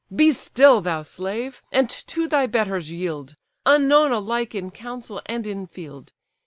"Be still, thou slave, and to thy betters yield; Unknown alike in council and in field!